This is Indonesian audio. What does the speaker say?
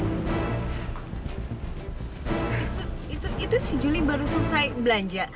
itu itu itu si juli baru selesai belanja